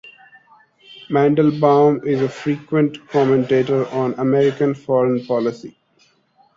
Mandelbaum is a frequent commentator on American foreign policy.